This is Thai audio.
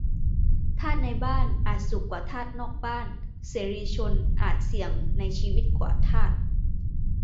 - ทาสในบ้านอาจสุขกว่าทาสนอกบ้าน เสรีชนอาจเสี่ยงในชีวิตกว่าทาส